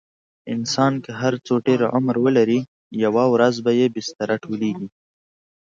انسان که هر څو ډېر عمر ولري، یوه ورځ به یې بستره ټولېږي.